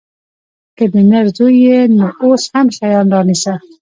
که د نر زوى يې نو اوس هم شيان رانيسه.